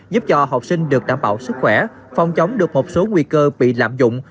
giúp cho học sinh được đảm bảo sức khỏe phòng chống được một số nguy cơ bị lạm dụng